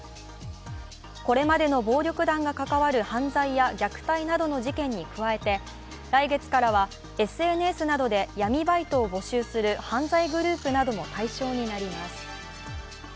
これまでの暴力団が関わる犯罪や虐待などの事件に加えて、来月からはＳＮＳなどで闇バイトを募集する犯罪グループなども対象になります。